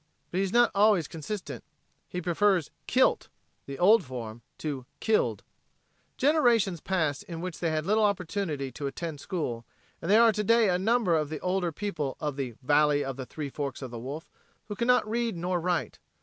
But he is not always consistent. He prefers "kilt," the old form, to "killed." Generations passed in which they had little opportunity to attend school, and there are today a number of the older people of the "Valley of the Three Forks o' the Wolf" who can not read nor write.